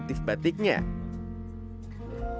ketika batiknya dikukus batiknya dikukus dengan kata kata yang berbeda